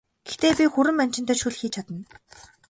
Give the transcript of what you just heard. Гэхдээ би хүрэн манжинтай шөл хийж чадна!